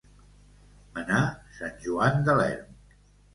Menar sant Joan de l'Erm.